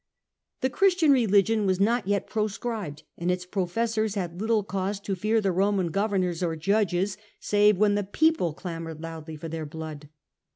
The Christian religion was not yet proscribed, and its professors had little cause to fear the Roman governors or judges, save when the people clamoured loudly for their blood.